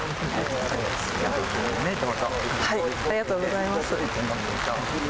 ありがとうございます。